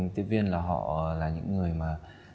tiếp viên là họ là những người mà